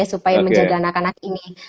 supaya menjaga anak anak ini